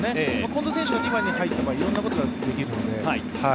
近藤選手が２番に入った場合はいろんなことができるので。